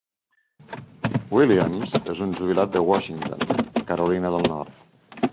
Williams és un jubilat de Washington, Carolina del Nord.